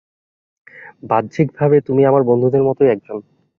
বাহ্যিক ভাবে তুমি আমার বন্ধুদের মতোই একজন।